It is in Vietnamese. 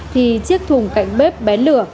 thì chiếc thùng cạnh bếp bén lửa